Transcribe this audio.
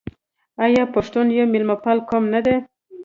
آیا پښتون یو میلمه پال قوم نه دی؟